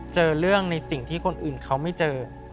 เจอเรื่องในสิ่งที่คนอื่นเขาไม่เจอ